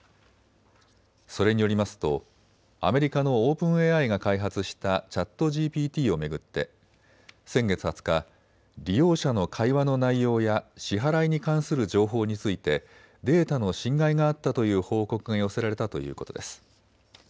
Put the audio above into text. それによりますとアメリカのオープンＡＩが開発したＣｈａｔＧＰＴを巡って先月２０日、利用者の会話の内容や支払いに関する情報についてデータの侵害があったという報告が寄せられたということです。